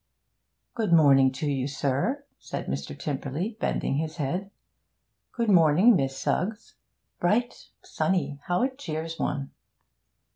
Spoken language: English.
'Good morning to you, sir,' said Mr. Tymperley, bending his head. 'Good morning, Miss Suggs. Bright! Sunny! How it cheers one!'